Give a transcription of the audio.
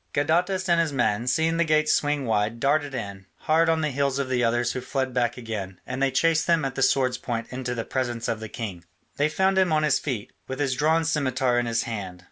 Gadatas and his men, seeing the gates swing wide, darted in, hard on the heels of the others who fled back again, and they chased them at the sword's point into the presence of the king. They found him on his feet, with his drawn scimitar in his hand.